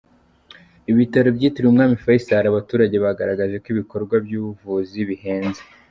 Ibitaro byitiriwe umwami fayisari Abaturage bagaragaje ko ibikorwa by’ubuvuzi bihenze